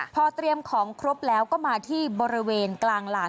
พอเตรียมของครบแล้วก็มาที่บริเวณกลางหลาน